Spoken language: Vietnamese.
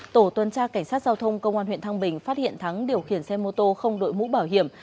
tổ tuần tra cảnh sát giao thông công an huyện thăng bình phát hiện thắng điều khiển xe mô tô không đội mũ bảo hiểm